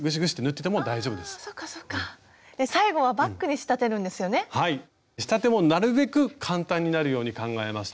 仕立てもなるべく簡単になるように考えました。